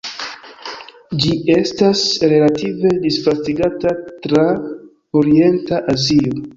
Ĝi estas relative disvastigata tra orienta Azio.